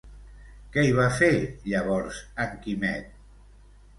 Què hi va fer, llavors, en Quimet?